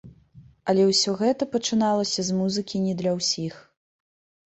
Але ўсё гэта пачыналася з музыкі не для ўсіх.